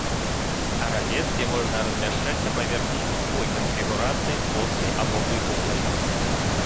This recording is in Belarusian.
Арабескі можна размяшчаць на паверхні любой канфігурацыі, плоскай або выпуклай.